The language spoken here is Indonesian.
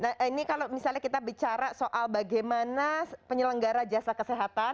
nah ini kalau misalnya kita bicara soal bagaimana penyelenggara jasa kesehatan